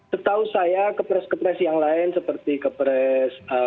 setahu saya kepres kepres yang lain seperti kepres